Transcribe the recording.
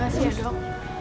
makasih ya dok